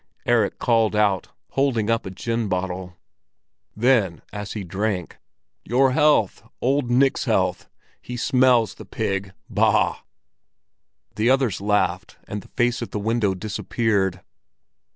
Erik called out, holding up a gin bottle. Then, as he drank: "Your health! Old Nick's health! He smells, the pig! Bah!" The others laughed, and the face at the window disappeared.